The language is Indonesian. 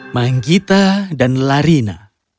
manggita dan larina